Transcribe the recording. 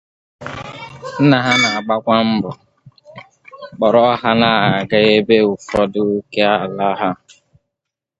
Nna ha na-agbakwa mbọ kpọrọ ha na-aga ebe ụfọdụ okè ala ha